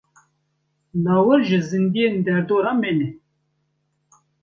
Lawir ji zindiyên derdora me ne.